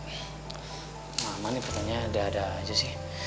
emang aman itu ternyata ada ada aja sih